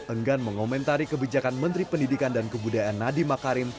enggan mengomentari kebijakan menteri pendidikan dan kebudayaan nadiem makarim